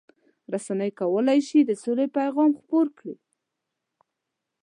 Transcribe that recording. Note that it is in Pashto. رسنۍ کولای شي د سولې پیغام خپور کړي.